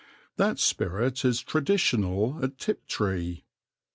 That spirit is traditional at Tiptree.